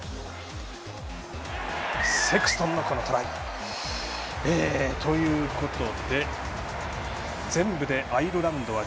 セクストンのトライ。ということで、全部でアイルランドは